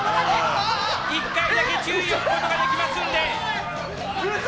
１回だけ注意を引くことができますので！